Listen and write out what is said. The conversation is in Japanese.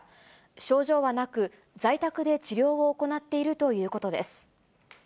症状はなく、在宅で治療を行っているということです。